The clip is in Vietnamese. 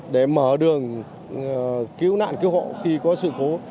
để mở đường cứu nạn cứu hộ khi có sự cố